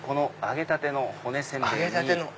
揚げたての骨煎餅。